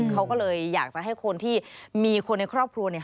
เขาก็เลยอยากจะให้คนที่มีคนในครอบครัวเนี่ย